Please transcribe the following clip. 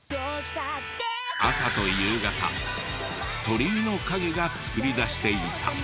朝と夕方鳥居の影が作り出していた。